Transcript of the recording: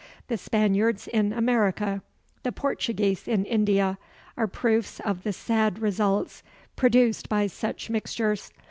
The Spaniards in America, the Portuguese in India, are proofs of the sad results produced by such mixtures.